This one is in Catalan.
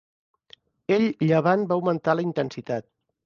Ell llevant va augmentar la intensitat.